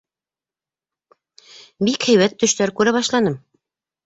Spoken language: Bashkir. — Бик һәйбәт төштәр күрә башланым.